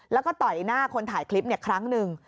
แล้วก็ต่อยหน้าคนถ่ายคลิปครั้งหนึ่ง